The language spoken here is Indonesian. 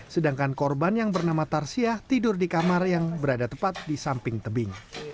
sedangkan korban yang bernama tarsiah tidur di kamar yang berada tepat di samping tebing